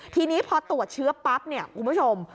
ทีนี้พอตรวจเชื้อปั๊บเนี่ยคุณผู้ชม